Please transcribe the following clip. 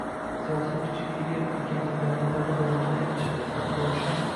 siyosiy kuchiga ega ekanliklarini yetarli darajada anglashadi, hatto o‘sha